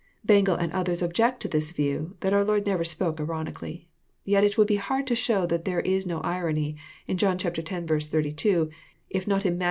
— Bengel and others object to this view, that our Lord never spoke ironically. Yet it would be hard to show that there is no irony in John x. 32, if not in Matt.